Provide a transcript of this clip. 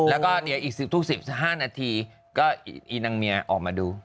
แล้วก็เดี๋ยวอีก๑๐ทุ่ม๑๕นาทีก็อีนางเมียออกมาดู